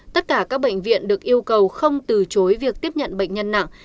tất cả các bệnh viện được yêu cầu không từ chối việc tiếp nhận bệnh nhân nặng